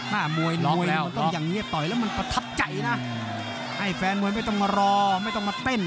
มวยน้อยแล้วมันต้องอย่างนี้ต่อยแล้วมันประทับใจนะให้แฟนมวยไม่ต้องรอไม่ต้องมาเต้น